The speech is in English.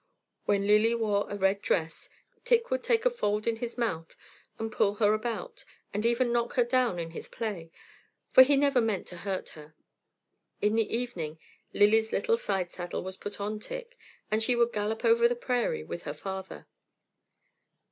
When Lily wore a red dress, Tic would take a fold in his mouth and pull her about, and even knock her down in his play, for he never meant to hurt her. In the evening Lily's little sidesaddle was put on Tic, and she would gallop over the prairie with her father.